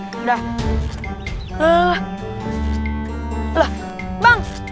kenapa berhenti bung